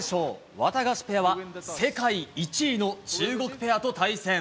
ワタガシペアは、世界１位の中国ペアと対戦。